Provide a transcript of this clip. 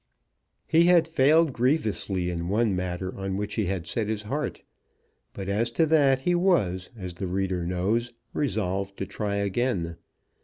He had failed grievously in one matter on which he had set his heart; but as to that he was, as the reader knows, resolved to try again.